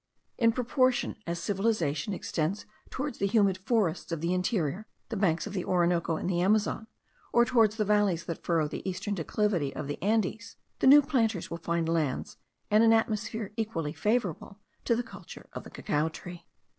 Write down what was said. In proportion as civilization extends towards the humid forests of the interior, the banks of the Orinoco and the Amazon, or towards the valleys that furrow the eastern declivity of the Andes, the new planters will find lands and an atmosphere equally favourable to the culture of the cacao tree.